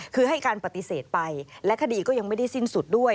คือให้การปฏิเสธไปและคดีก็ยังไม่ได้สิ้นสุดด้วย